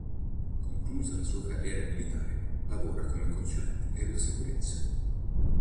Conclusa la sua carriera militare, lavora come consulente per la sicurezza.